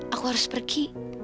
aku harus pergi